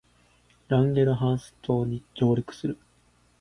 ランゲルハンス島に上陸する